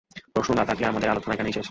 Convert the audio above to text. প্রশ্ন না থাকলে আমাদের আলোচনা এখানেই শেষ।